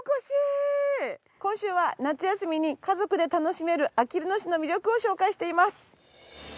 今週は夏休みに家族で楽しめるあきる野市の魅力を紹介しています。